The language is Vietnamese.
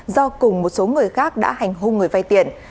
do cùng một số người khác đã hành hung người vay tiền